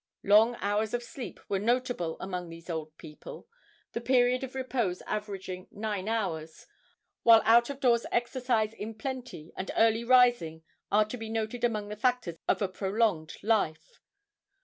Long hours of sleep were notable among these old people, the period of repose averaging nine hours; while out of door exercise in plenty and early rising are to be noted among the factors of a prolonged life.